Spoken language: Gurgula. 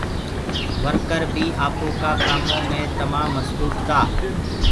ورڪر بي آپو ڪآ ڪآمو مي تمآم مسروڦ تآ۔